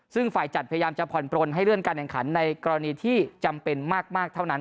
ซึ่งฝ่ายจัดพยายามจะผ่อนปลนให้เลื่อนการแข่งขันในกรณีที่จำเป็นมากเท่านั้น